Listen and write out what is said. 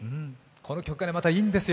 この曲がまた、いいんですよ。